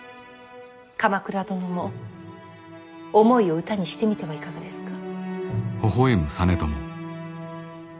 鎌倉殿も思いを歌にしてみてはいかがですか？